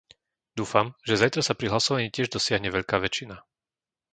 Dúfam, že zajtra sa pri hlasovaní tiež dosiahne veľká väčšina.